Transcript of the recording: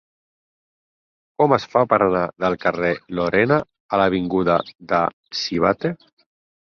Com es fa per anar del carrer de Lorena a l'avinguda de Sivatte?